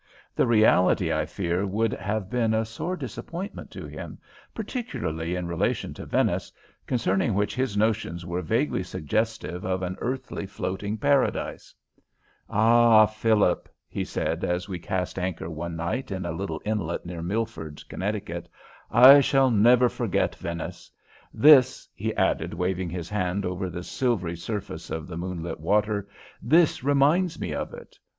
The reality, I fear, would have been a sore disappointment to him, particularly in relation to Venice, concerning which his notions were vaguely suggestive of an earthly floating paradise. "Ah, Philip," he said, as we cast anchor one night in a little inlet near Milford, Connecticut, "I shall never forget Venice. This," he added, waving his hand over the silvery surface of the moonlit water "this reminds me of it.